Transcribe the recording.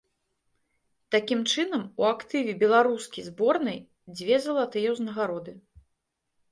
Такім чынам, у актыве беларускі зборнай дзве залатыя ўзнагароды.